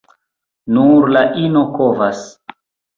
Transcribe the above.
Nur la ino kovas.